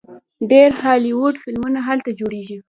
ډیر هالیوډ فلمونه هلته جوړیږي.